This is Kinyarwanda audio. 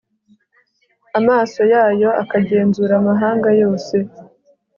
amaso yayo akagenzura amahanga yose